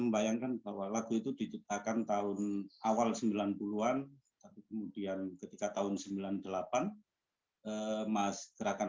membayangkan bahwa lagu itu diciptakan tahun awal sembilan puluh an tapi kemudian ketika tahun sembilan puluh delapan mas gerakan